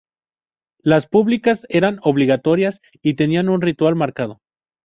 Las públicas eran obligatorias y tenían un ritual marcado.